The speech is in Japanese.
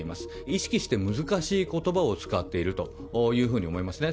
意識して難しいことばを使っているというふうに思いますね。